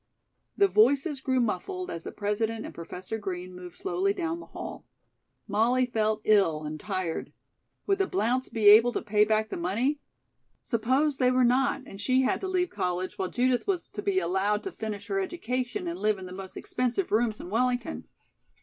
The voices grew muffled as the President and Professor Green moved slowly down the hall. Molly felt ill and tired. Would the Blounts be able to pay back the money? Suppose they were not and she had to leave college while Judith was to be allowed to finish her education and live in the most expensive rooms in Wellington.